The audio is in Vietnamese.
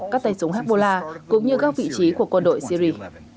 các tay súng hezbollah cũng như các vị trí của quân đội syri